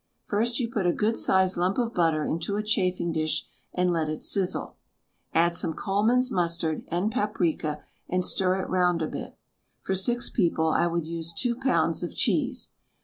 First you put a good sized lump of butter into a chafing dish and let it sizzle. Add some Coleman's mustard and paprika and stir it round a bit. For six people I would use two pounds of cheese.